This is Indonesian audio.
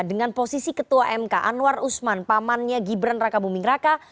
dengan posisi ketua mk anwar usman pamannya gibran raka buming raka